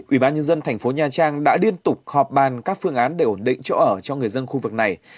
ubnd tp nha trang đã điên tục họp bàn các phương án để ổn định chỗ ở cho người dân khu vực này